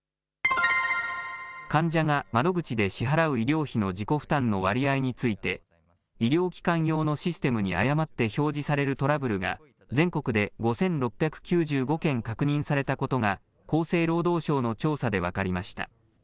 患者が窓口で支払う自己負担の割合について医療機関用のシステムに誤って表示されるトラブルが全国で５６９５件確認されたことが厚生労働省の調査で分かりました。